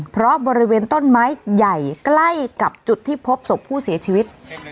เพราะบริเวณต้นไม้ใหญ่ใกล้กับจุดที่พบศพผู้เสียชีวิต